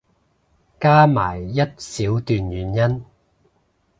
加埋一小段原因